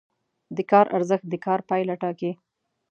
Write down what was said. د کار ارزښت د کار پایله ټاکي.